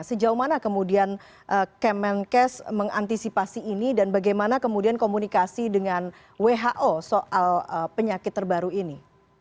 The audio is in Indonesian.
sejauh mana kemudian kemenkes mengantisipasi ini dan bagaimana kemudian komunikasi dengan who soal penyakit terbaru ini